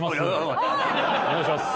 お願いします。